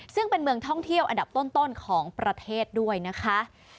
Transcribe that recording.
ซึ่งเป็นเมืองท่องเที่ยวอันดับต้นของประเทศด้วยนะคะ